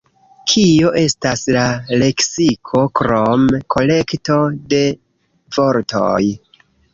Kio estas la leksiko krom kolekto de vortoj?